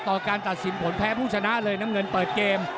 การตัดสินผลแพ้ผู้ชนะเลยน้ำเงินเปิดเกม